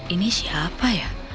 ini siapa ya